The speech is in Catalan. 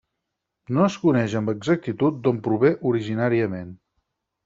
No es coneix amb exactitud d'on prové originàriament.